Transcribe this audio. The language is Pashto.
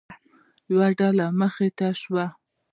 یوه ډله مخې ته شوه.